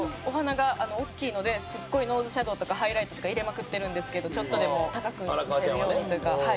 お鼻が大きいのですっごいノーズシャドーとかハイライトとか入れまくってるんですけどちょっとでも高く見せるようにというか。